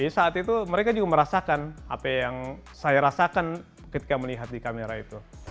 saat itu mereka juga merasakan apa yang saya rasakan ketika melihat di kamera itu